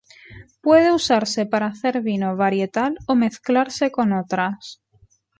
Puede usarse para hacer vino varietal o mezclarse con otras.